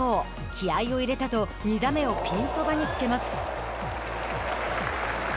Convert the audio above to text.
気合いを入れたと２打目をピンそばにつけます。